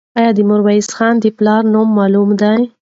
آیا د میرویس خان د پلار نوم معلوم دی؟